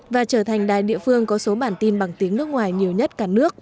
và trở thành đài địa phương có số bản tin bằng tiếng nước ngoài nhiều nhất cả nước